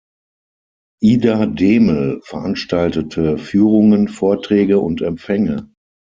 Ida Dehmel veranstaltete Führungen, Vorträge und Empfänge.